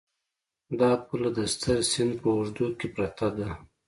دا پوله د ستر سیند په اوږدو کې پرته ده.